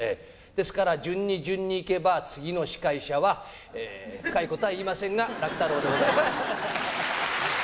ですから順に順にいけば、次の司会者は深いことは言いませんが、楽太郎でございます。